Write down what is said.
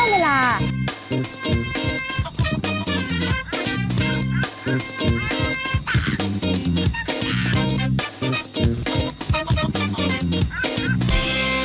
สวัสดีค่ะ